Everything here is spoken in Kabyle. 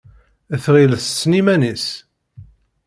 Tɣill tessen iman-is.